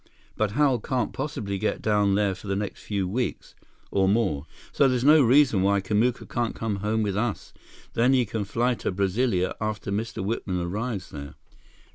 But Hal can't possibly get down there for the next few weeks, or more. So there's no reason why Kamuka can't come home with us. Then he can fly to Brasilia after Mr. Whitman arrives there."